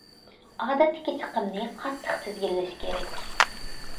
ئادەتتىكى چىقىمنى قاتتىق تىزگىنلەش كېرەك.